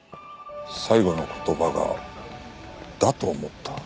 最後の言葉が「だと思った」。